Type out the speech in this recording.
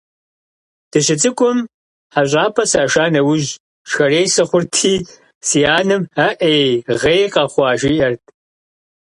Дыщыцӏыкӏум хьэщӏапӏэ саша нэужь шхэрей сыхъурти, си анэм «Аӏей, гъей къэхъуа?», жиӏэрт.